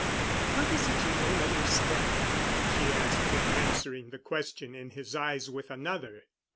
"What is it you don't understand?" she asked him, answering the question in his eyes with another.